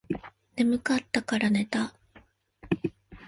眠かったらから寝た